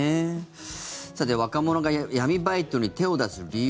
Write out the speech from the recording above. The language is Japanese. さて若者が闇バイトに手を出す理由。